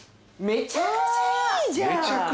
めちゃくちゃいいでしょ。